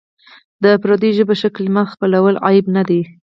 د پردیو ژبو ښه کلمات خپلول عیب نه دی.